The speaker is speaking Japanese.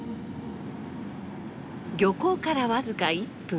漁港から僅か１分。